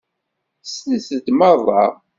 Slet-d meṛṛa!